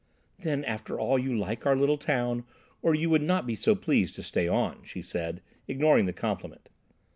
"Then after all you like our little town, or you would not be pleased to stay on," she said, ignoring the compliment.